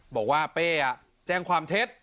บอกว่าเป้แจ้งความเท็จ